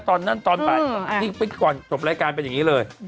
ตอนนั้นตอนป่านนี่ปิดก่อนจบรายการเป็นอย่างนี้เลย